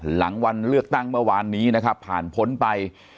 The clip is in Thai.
หลังวันเลือกตั้งเมื่อวานนี้นะครับผ่านพ้นไป